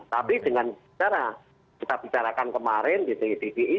tapi dengan cara kita bicarakan kemarin di tvi